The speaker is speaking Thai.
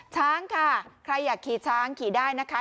ช้างค่ะใครอยากขี่ช้างขี่ได้นะคะ